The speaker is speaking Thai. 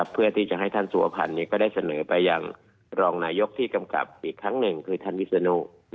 เพื่อที่จะให้ท่านสุวพันธ์ก็ได้เสนอไปยังรองนายกที่กำกับอีกครั้งหนึ่งคือท่านวิศนุ